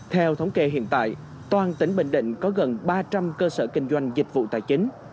theo thống kê hiện tại toàn tỉnh bình định có gần ba trăm linh cơ sở kinh doanh dịch vụ tài chính